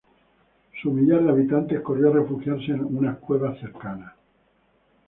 Su millar de habitantes corrió a refugiarse en unas cuevas cercanas.